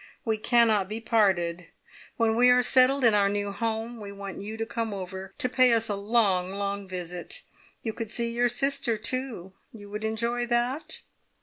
We cannot be parted. When we are settled in our new home we want you to come over, to pay us a long, long visit. You could see your sister, too. You would enjoy that?"